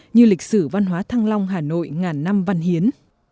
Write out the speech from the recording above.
như lịch sử văn hóa thăng long hà nội ngàn năm văn hiến